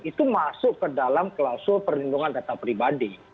itu masuk ke dalam klausul perlindungan data pribadi